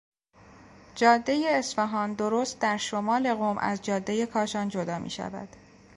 جادهی اصفهان درست در شمال قم از جادهی کاشان جدا میشود.